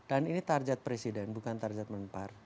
dan ini target presiden bukan target menempar